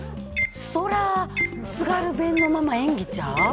そら津軽弁のまま演技ちゃう？